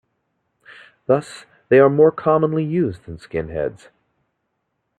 Thus, they are more commonly used than skin heads.